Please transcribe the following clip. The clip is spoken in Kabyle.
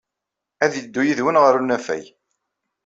Ad yeddu yid-wen ɣer unafag.